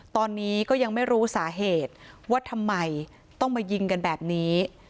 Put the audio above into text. ตอนนี้ก็ยังไม่รู้สาเหตุว่าทำไมต้องมายิงกันแบบนี้